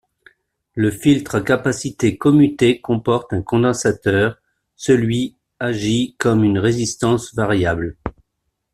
Le filtre à capacité commuté comporte un condensateur, celui agit comme une résistance variable.